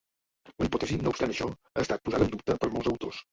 La hipòtesi, no obstant això, ha estat posada en dubte per molts autors.